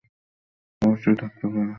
অবশ্যই থাকতে পারে।